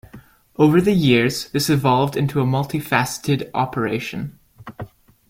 Over the years, this evolved into a multi-faceted operation.